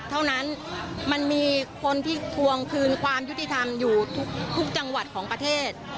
มันมีคนที่ทวงคืนความยุติธรรมอยู่ทุกจังหวัดของประเทศ